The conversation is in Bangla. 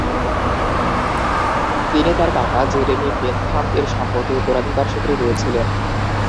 তিনি তাঁর কাকা জেরেমি বেনথাম এর সম্পত্তি উত্তরাধিকার সূত্রে পেয়েছিলেন।